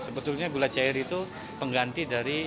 sebetulnya gula cair itu pengganti dari